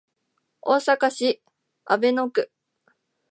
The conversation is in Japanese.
大阪市阿倍野区